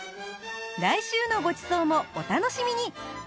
来週のごちそうもお楽しみに！